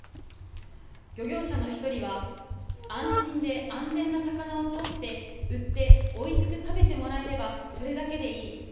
漁業者の１人は安心で安全な魚を取って売っておいしく食べてもらえればそれだけでいい。